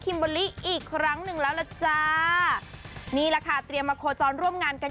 อีกครั้งนึงแล้วล่ะจานี่ล่ะค่ะเตรียมมาโคลจอนร่วมงานกัน